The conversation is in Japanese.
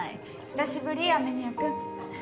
久しぶり雨宮くん。